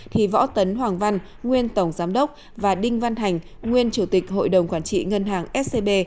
thì võ tấn hoàng văn nguyên tổng giám đốc và đinh văn thành nguyên chủ tịch hội đồng quản trị ngân hàng scb